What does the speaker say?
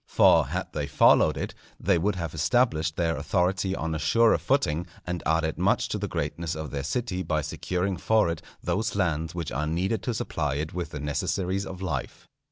For had they followed it, they would have established their authority on a surer footing, and added much to the greatness of their city by securing for it those lands which are needed to supply it with the necessaries of life.